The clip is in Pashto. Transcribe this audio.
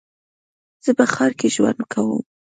زه په ښار کې ژوند کوم.